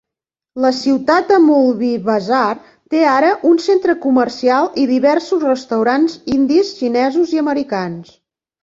La ciutat de Moulvibazar té ara un centre comercial i diversos restaurants indis, xinesos i americans.